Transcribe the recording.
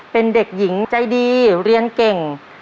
เป็นเด็กหญิงใจดีเรียนเก่ง